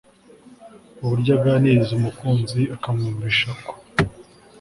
uburyo azaganiriza umukunzi akamwumvisha ko